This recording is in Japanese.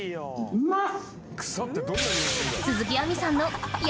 うまっ！